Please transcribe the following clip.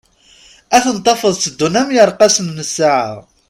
Ad ten-tafeḍ tteddun am yireqqasen n ssaɛa.